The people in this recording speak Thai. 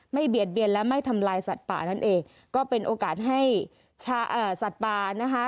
เบียดเบียนและไม่ทำลายสัตว์ป่านั่นเองก็เป็นโอกาสให้สัตว์ป่านะคะ